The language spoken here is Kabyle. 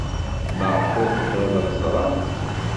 Maɣef ur tebɣiḍ ad ẓreɣ?